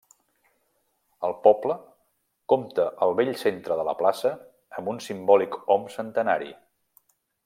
El poble compta al bell centre de la plaça amb un simbòlic om centenari.